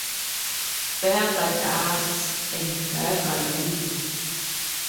Bugger that and bugger you.